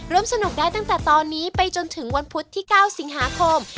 สนุกได้ตั้งแต่ตอนนี้ไปจนถึงวันพุธที่๙สิงหาคม